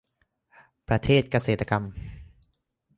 ประเทศเกษตรกรรม